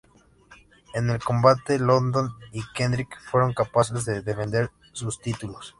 En el combate London y Kendrick fueron capaces de defender sus títulos.